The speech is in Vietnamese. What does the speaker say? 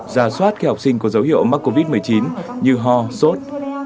ra soát khi học sinh có dấu hiệu mắc covid một mươi chín như ho sốt